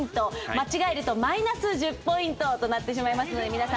間違えるとマイナス１０ポイントとなってしまいますので皆さん。